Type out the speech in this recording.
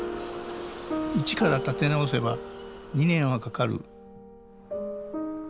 一から建て直せば２年はかかる。